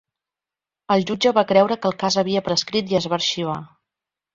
El jutge va creure que el cas havia prescrit i es va arxivar.